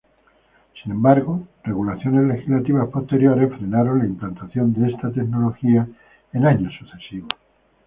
Sin embargo, regulaciones legislativas posteriores frenaron la implantación de esta tecnología en años sucesivos.